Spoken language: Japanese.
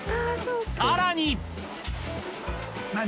［さらに！］